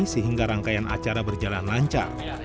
sehingga rangkaian acara berjalan lancar